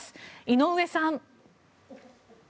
井上さん。